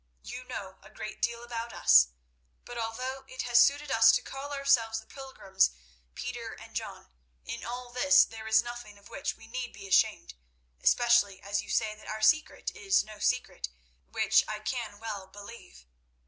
You know a great deal about us, but although it has suited us to call ourselves the pilgrims Peter and John, in all this there is nothing of which we need be ashamed, especially as you say that our secret is no secret, which I can well believe.